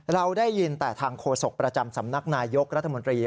เราได้ยินแต่ทางโฆษกประจำสำนักนายยกรัฐมนตรี